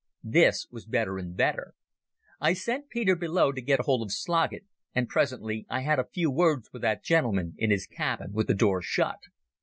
This was better and better. I sent Peter below to get hold of Sloggett, and presently I had a few words with that gentleman in his cabin with the door shut.